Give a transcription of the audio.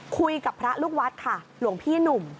คุยกับพระลูกวัดค่ะหลวงพี่หนุ่ม